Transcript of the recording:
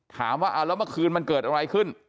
ถามว่าเอาแล้วเมื่อคืนมันเกิดอะไรขึ้น